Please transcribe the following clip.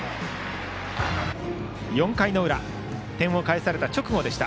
４回の裏点を返された直後でした。